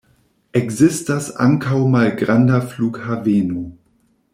Ekzistas ankaŭ malgranda flughaveno.